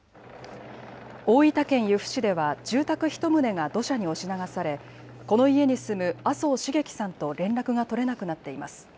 大分県由布市では住宅１棟が土砂に押し流されこの家に住む麻生繁喜さんと連絡が取れなくなっています。